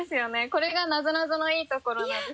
これがなぞなぞのいいところなんです。